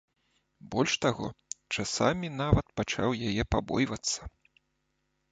Больш таго, часамі нават пачаў яе пабойвацца.